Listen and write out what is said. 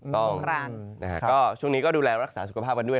ต้องครับช่วงนี้ก็ดูแลรักษาสุขภาพกันด้วย